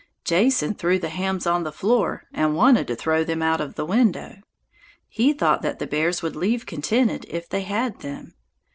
Jason threw the hams on the floor and wanted to throw them out of the window. He thought that the bears would leave contented if they had them.